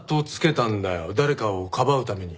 誰かをかばうために。